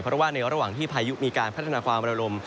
เพราะว่าในระหว่างที่พายุมีการพัฒนาความระลม